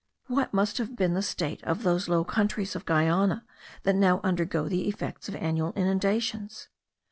What must have been the state of those low countries of Guiana that now undergo the effects of annual inundations?